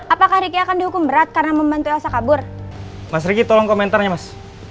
apakah ricky akan dihukum berat karena membantu elsa kabur mas riki tolong komentarnya mas